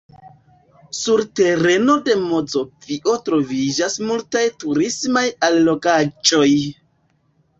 Sur tereno de Mazovio troviĝas multaj turismaj allogaĵoj.